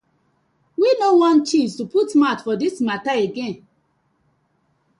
We no want the chiefs to put mouth for dis matta again.